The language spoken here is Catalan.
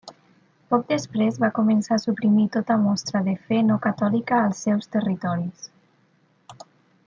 Poc després, va començar a suprimir tota mostra de fe no catòlica als seus territoris.